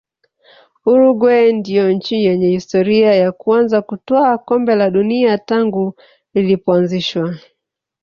uruguay ndio nchi yenye historia ya kuanza kutwaa kombe la dunia tangu lilipoanzishwa